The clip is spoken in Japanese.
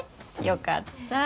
よかった。